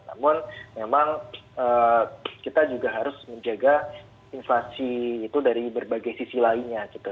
namun memang kita juga harus menjaga inflasi itu dari berbagai sisi lainnya gitu